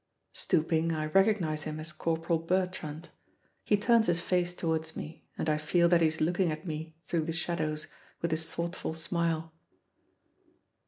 Stooping, I recognize him as Corporal Bertrand. He turns his face towards me, and I feel that he is looking at me through the shadows with his thoughtful smile.